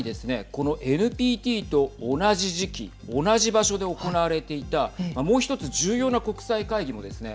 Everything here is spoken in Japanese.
このＮＰＴと同じ時期同じ場所で行われていたもう一つ重要な国際会議もですね